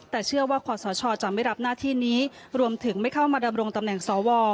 แต่เชื่อว่าขอสชจะไม่รับหน้าที่นี้รวมถึงไม่เข้ามาดำรงตำแหน่งสว